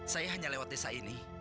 saya hanya lewat desa ini